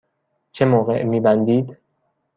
چه موقع می بندید؟